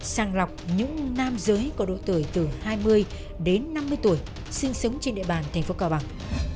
sàng lọc những nam giới có độ tuổi từ hai mươi đến năm mươi tuổi sinh sống trên địa bàn thành phố cao bằng